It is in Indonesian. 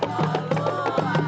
sanjur bruja ya